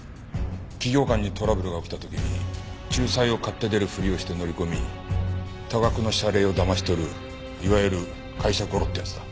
企業間にトラブルが起きた時に仲裁を買って出るふりをして乗り込み多額の謝礼をだまし取るいわゆる会社ゴロってやつだ。